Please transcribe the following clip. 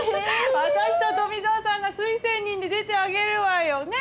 私と富沢さんが推薦人で出てあげるわよ！